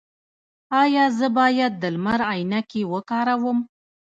ایا زه باید د لمر عینکې وکاروم؟